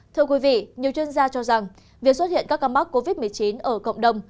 thưa quý vị nhiều chuyên gia cho rằng việc xuất hiện các ca mắc covid một mươi chín ở cộng đồng